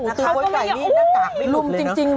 ตูป้วยไก่นี่น่ากักลุมจริงแม่